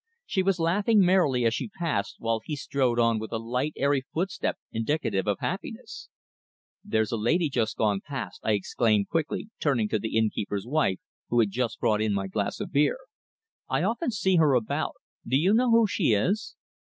She was laughing merrily as she passed, while he strode on with a light, airy footstep indicative of happiness. "There's a lady just gone past," I exclaimed quickly, turning to the innkeeper's wife, who had just brought in my glass of beer. "I often see her about. Do you know who she is?"